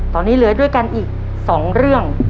ตอนนี้เหลือด้วยกันอีก๒เรื่อง